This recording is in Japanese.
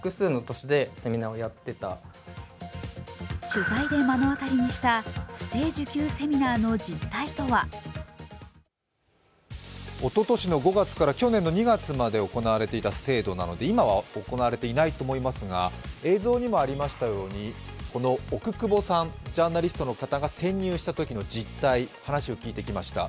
取材で目の当たりにした不正受給セミナーの実態とはおととしの５月から去年の２月まで行われていた制度なので今は行われていないと思いますが映像にもありましたように、奥窪さん、ジャーナリストの方が潜入したとき実態、話を聞いてきました